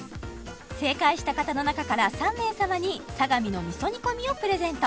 正解した方の中から３名様にサガミのみそ煮込をプレゼント